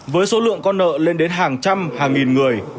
với số lượng con nợ lên đến hàng trăm hàng nghìn người